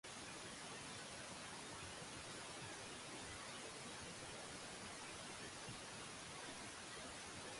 At Bartlow is one of the smallest parishes in Cambridgeshire.